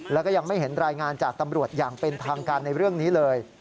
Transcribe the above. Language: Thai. แล้วก็ยังไม่เห็นรายงานจากตำรวจอย่างเป็นทางการในเรื่องนี้เลย